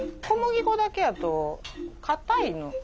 小麦粉だけやとかたいの。